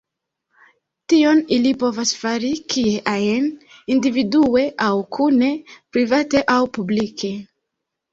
Tion ili povas fari kie ajn, individue aŭ kune, private aŭ publike.